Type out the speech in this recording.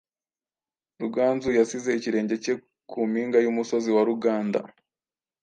Ruganzu yasize ikirenge cye ku mpinga y’umusozi wa Ruganda,